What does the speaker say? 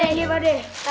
taruh pak d